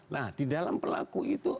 nah di dalam pelaku itu